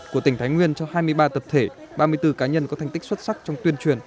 của tỉnh thái nguyên cho hai mươi ba tập thể ba mươi bốn cá nhân có thành tích xuất sắc trong tuyên truyền